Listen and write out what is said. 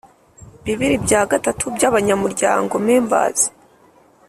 bibiri bya gatatu by abanyamuryango members